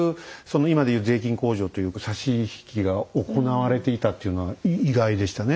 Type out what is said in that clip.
今で言う税金控除というか差し引きが行われていたっていうのは意外でしたね。